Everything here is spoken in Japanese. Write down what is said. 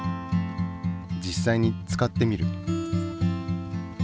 実際に使ってみる。